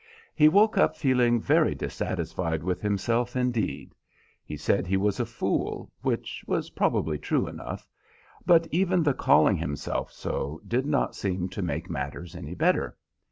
He woke up feeling very dissatisfied with himself, indeed. He said he was a fool, which was probably true enough, but even the calling himself so did not seem to make matters any better.